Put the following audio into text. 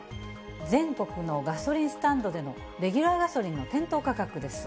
全国のガソリンスタンドでのレギュラーガソリンの店頭価格です。